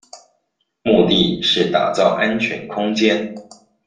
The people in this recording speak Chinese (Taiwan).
目的是打造安全空間